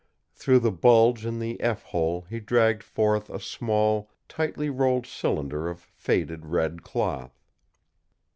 Through the bulge in the F hole he dragged forth a small, tightly rolled cylinder of faded red cloth.